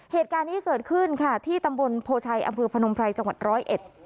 เหตุการณ์นี้เกิดขึ้นค่ะที่ตำบลโพชัยอำเภอพนมไพรจังหวัดร้อยเอ็ด